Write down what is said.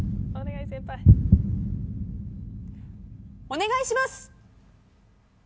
お願いします！